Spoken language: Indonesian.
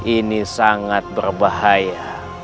ini sangat berbahaya